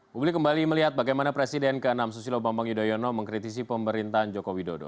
publik kembali melihat bagaimana presiden ke enam susilo bambang yudhoyono mengkritisi pemerintahan joko widodo